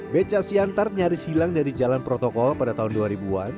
beca siantar nyaris hilang dari jalan protokol pada tahun dua ribu an